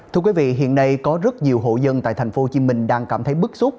thưa quý vị hiện nay có rất nhiều hộ dân tại thành phố hồ chí minh đang cảm thấy bức xúc